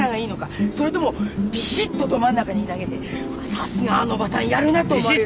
それともびしっとど真ん中に投げてさすがあのおばさんやるなと思われる。